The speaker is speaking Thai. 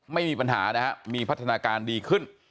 ไม่มีปัญหานะครับมีพัฒนาการดีขึ้น